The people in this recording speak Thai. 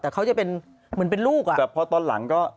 แต่เขาจะเป็นเหมือนเป็นลูกอ่ะแต่พอตอนหลังก็